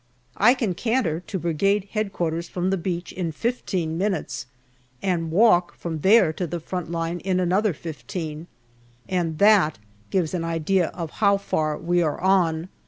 I can canter to Brigade H.Q. from the beach in fifteen minutes, and walk from there to the front line in another fifteen, and that gives an idea of how far we are on.